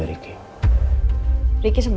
pernah tajik atau iya